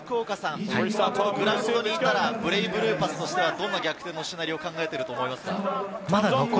グラウンドにいたら、ブレイブルーパスとしたら、どんな逆転のシナリオを考えていると思いますか？